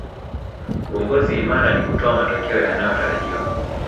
uongozi imara ni kutoa matokeo yanayotarajiwa